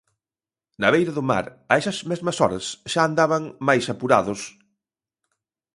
Na beira do mar a esas mesmas horas xa andaban máis apurados...